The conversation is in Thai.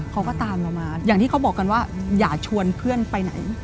เขาก็ตามเรามาอย่างที่เขาบอกกันว่าอย่าชวนเพื่อนไปไหน